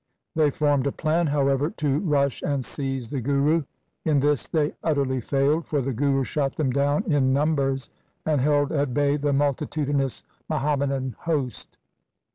They formed a plan, however to rush and seize the Guru. In this they utterly failed, for the Guru shot them down in numbers and held at bay the multitudinous Muhammadan host.